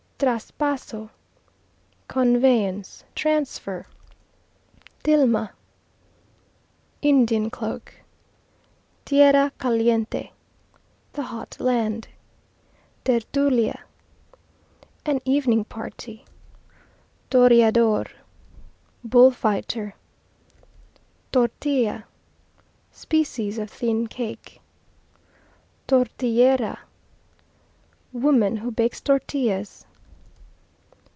Traspaso Conveyance, transfer. Tilma Indian cloak. Tierra caliente The hot land. Tertulia An evening party. Toreador Bull fighter. Tortilla Species of thin cake. Tortillera Woman who bakes tortillas.